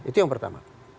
itu yang pertama